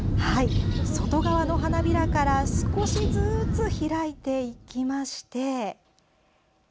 外側の花びらから少しずつ開いていきまして。